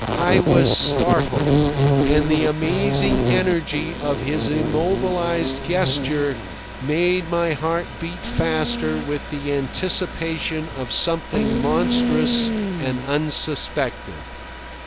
I was startled, and the amazing energy of his immobilized gesture made my heart beat faster with the anticipation of something monstrous and unsuspected.